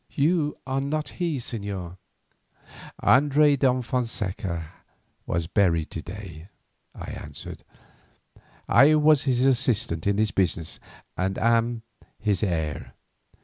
"You are not he, señor." "Andres de Fonseca was buried to day," I answered. "I was his assistant in his business and am his heir.